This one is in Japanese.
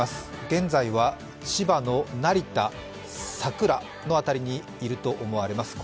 現在は、千葉の成田、佐倉の辺りにいると思われます。